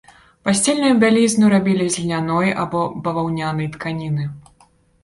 Пасцельную бялізну рабілі з льняной або баваўнянай тканіны.